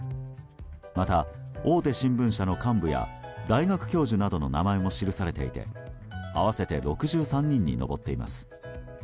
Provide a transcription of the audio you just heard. また、大手新聞社の幹部や大学教授などの名前も記されていて合わせて６３人に上っています。